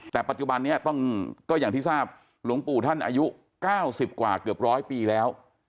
แต่ปัจจุบันนี้ต้องก็อย่างที่ทราบหลวงปู่ท่านอายุ๙๐กว่าเกือบร้อยปีแล้ว